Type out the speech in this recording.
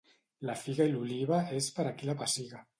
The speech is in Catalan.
La figa i l'oliva és per a qui la pessiga.